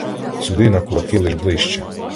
Сюди на кулаки лиш ближче!